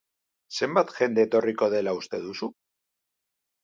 Zenbat jende etorriko dela uste duzu?